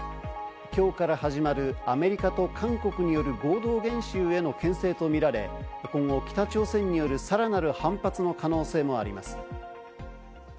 きょうから始まるアメリカと韓国による合同演習へのけん制とみられ、今後、北朝鮮によるさらなる反発の可能性もあります。